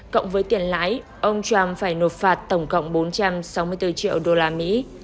cộng với tiền lãi ông trump phải nộp phạt tổng cộng bốn trăm sáu mươi bốn triệu đô la mỹ